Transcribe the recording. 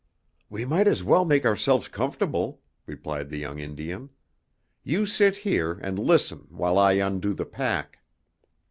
"We might as well make ourselves comfortable," replied the young Indian. "You sit here, and listen while I undo the pack."